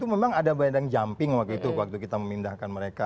memang ada bayang jumping waktu itu waktu kita memindahkan mereka